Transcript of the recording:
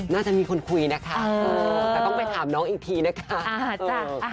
น่าจะมีคนคุยนะคะแต่ต้องไปถามน้องอีกทีนะคะ